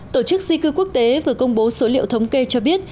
tổ chức di cư quốc tế vừa công bố số liệu thống kê cho biết